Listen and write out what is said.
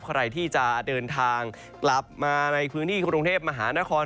ใครที่จะเดินทางกลับมาในพื้นที่กรุงเทพมหานคร